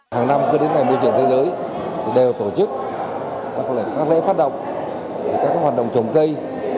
các em môi trường thế giới đều tổ chức các lễ phát động các hoạt động trồng cây